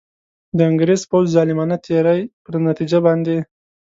د انګرېز پوځ ظالمانه تېري پر نتیجه باندي.